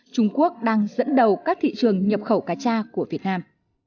trung quốc đang dẫn đầu các thị trường nhập khẩu cacha của việt nam